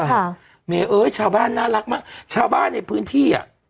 ค่ะเมเอ้ยชาวบ้านน่ารักมากชาวบ้านในพื้นที่อ่ะ